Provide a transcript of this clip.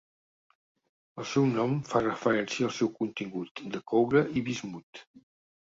El seu nom fa referència al seu contingut de coure i bismut.